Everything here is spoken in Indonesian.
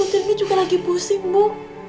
bu tapi ini juga lagi pusing bu